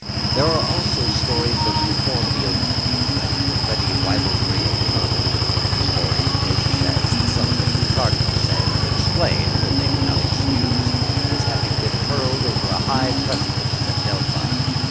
There are also stories of deformity of feature and a ready ribaldry of tongue: stories which (as the celebrated Cardinal said) explain, though they do not excuse, his having been hurled over a high precipice at Delphi.